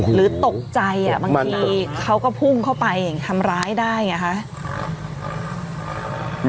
หรือตกใจอ่ะบางทีเขาก็พุ่งเข้าไปอย่างงี้ทำร้ายได้อย่างงี้ฮะ